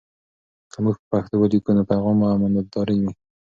که موږ په پښتو ولیکو، نو پیغام مو امانتاري وي.